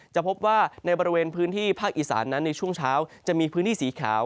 จะพบว่าในบริเวณพื้นที่ภาคอีสานนั้นในช่วงเช้าจะมีพื้นที่สีขาว